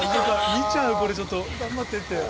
見ちゃうこれちょっと「頑張って」って。